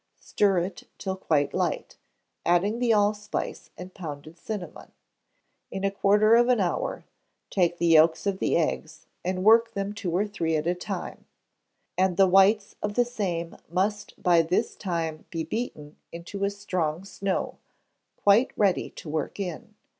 Stir it till quite light, adding the allspice and pounded cinnamon; in a quarter of an hour, take the yolks of the eggs, and work them two or three at a time; and the whites of the same must by this time be beaten into a strong snow, quite ready to work in.